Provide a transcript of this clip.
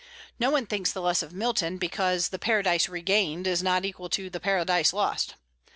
No one thinks the less of Milton because the "Paradise Regained" is not equal to the "Paradise Lost."